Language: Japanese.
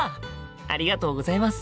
ありがとうございます。